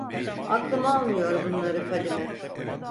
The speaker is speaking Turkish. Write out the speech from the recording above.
Aklım almıyor bunları Fadime…